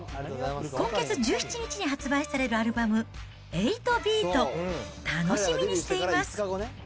今月１７日に発売されるアルバム、８ＢＥＡＴ、楽しみにしています。